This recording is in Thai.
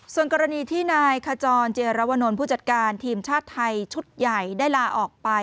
ส่วนกรณีที่นายขจรเจรวนลผู้จัดการทีมชาติไทยชุดใหญ่ได้ลาออกไป